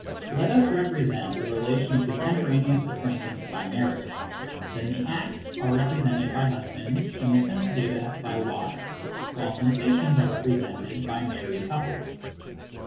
Let us represent the relation of con temporaneous acquaintance by marriage ; then the acts are repre sented by husbands and the sense data by wives, while sensations are represented by married couples.